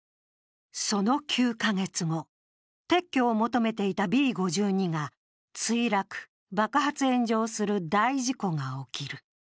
その９カ月後、撤去を求めていたＢ５２が墜落、爆発炎上する大事故が起きる。